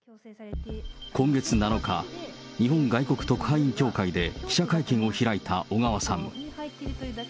今月７日、日本外国特派員協会で記者会見を開いた小川さん。